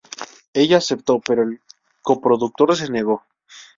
Ella aceptó, pero el coproductor se negó.